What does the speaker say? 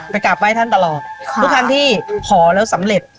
กราบไห้ท่านตลอดทุกครั้งที่ขอแล้วสำเร็จ